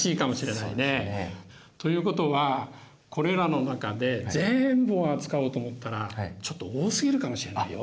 そうですね。ということはこれらの中で全部を扱おうと思ったらちょっと多すぎるかもしれないよ。